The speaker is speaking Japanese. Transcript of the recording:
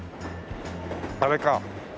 あれか。